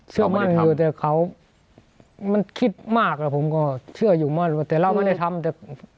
เชื่อมั่นอยู่แต่เขามันคิดมากแล้วผมก็เชื่ออยู่มั่นว่าแต่เราไม่ได้ทำแต่